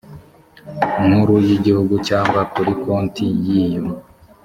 nkuru y igihugu cyangwa kuri konti y iyo